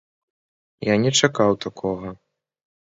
Я не чакаў такога.